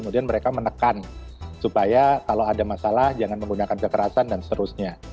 kemudian mereka menekan supaya kalau ada masalah jangan menggunakan kekerasan dan seterusnya